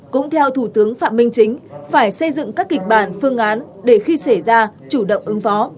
cũng theo thủ tướng phạm minh chính phải xây dựng các kịch bản phương án để khi xảy ra chủ động ứng phó